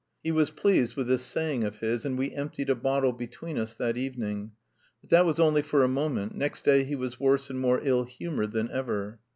He was pleased with this saying of his, and we emptied a bottle between us that evening. But that was only for a moment, next day he was worse and more ill humoured than ever.